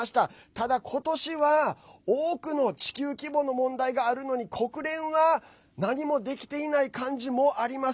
ただ今年は多くの地球規模の問題があるのに国連は何もできない感じもあります。